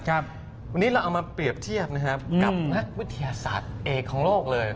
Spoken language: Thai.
วันนี้เราเอามาเปรียบเทียบนะครับกับนักวิทยาศาสตร์เอกของโลกเลย